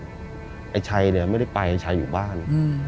ไอ้ชัยเนี่ยไม่ได้ไปไอ้ชัยอยู่บ้าน